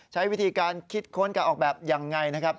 ใช้วิธีการคิดค้นการออกแบบยังไงนะครับ